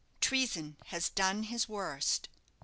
"TREASON HAS DONE HIS WORST."